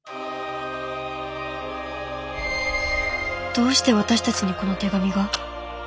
どうして私たちにこの手紙が？